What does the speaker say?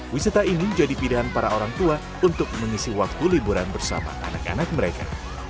wisata ini jadi pilihan para orang tua untuk mengisi waktu liburan bersama anak anak mereka